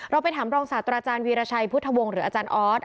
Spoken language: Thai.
ไปถามรองศาสตราจารย์วีรชัยพุทธวงศ์หรืออาจารย์ออส